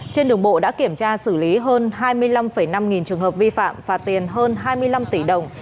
trên đường bộ đã kiểm tra xử lý hơn hai mươi năm năm nghìn trường hợp vi phạm phạt tiền hơn hai mươi năm tỷ đồng